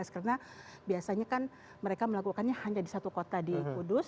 karena biasanya kan mereka melakukannya hanya di satu kota di kudus